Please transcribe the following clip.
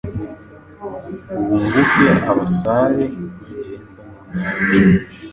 Wunguke abasare bagenda mu nyanja